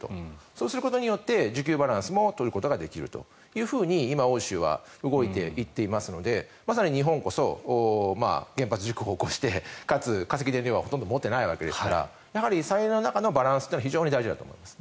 そうすることによって需給バランスも取ることができると今、欧州は動いていっていますのでまさに日本こそ原発事故を起こしてかつ化石燃料は持っていないですから再エネの中のバランスは非常に大事だと思います。